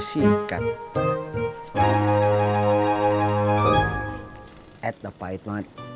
bang tadi diandalkan sama adam